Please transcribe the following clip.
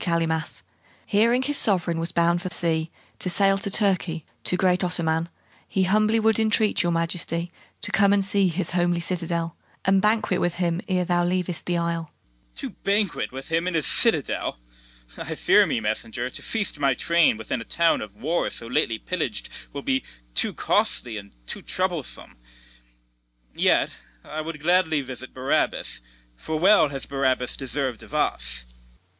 From Barabas, Malta's governor, I bring A message unto mighty Calymath: Hearing his sovereign was bound for sea, To sail to Turkey, to great Ottoman, He humbly would entreat your majesty To come and see his homely citadel, And banquet with him ere thou leav'st the isle. CALYMATH. To banquet with him in his citadel! I fear me, messenger, to feast my train Within a town of war so lately pillag'd, Will be too costly and too troublesome: Yet would I gladly visit Barabas, For well has Barabas deserv'd of us. MESSENGER.